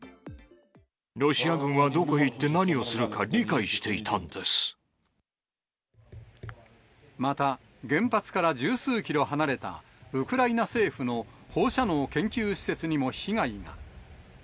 ロシア軍はどこへ行って何をまた、原発から十数キロ離れた、ウクライナ政府の放射能研究施設にも被害が。